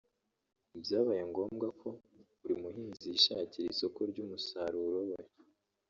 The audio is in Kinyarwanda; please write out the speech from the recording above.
byabaye ngombwa ko buri muhinzi yishakira isoko ry’umusaruro we